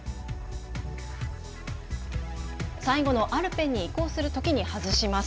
最後のアルペンに移行するときに外します。